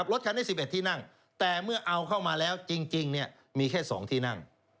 รถคันนี้๑๑ที่นั่งแต่เมื่อเอาเข้ามาแล้วจริงมีแค่๒ที่นั่ง